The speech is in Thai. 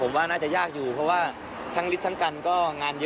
ผมว่าน่าจะยากอยู่เพราะว่าทั้งฤทธิ์ทั้งกันก็งานเยอะ